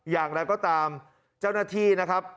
อย่างไรก็ตามเจ้าหน้าที่นะครับ